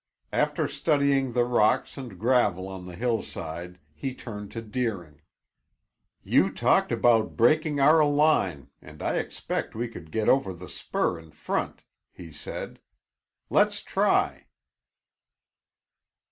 After studying the rocks and gravel on the hillside he turned to Deering. "You talked about breaking our line, and I expect we could get over the spur in front," he said. "Let's try."